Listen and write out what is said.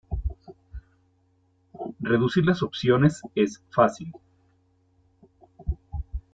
Reducir las opciones es fácil.